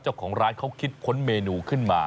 เจ้าของร้านเขาคิดค้นเมนูขึ้นมา